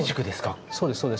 そうですそうです。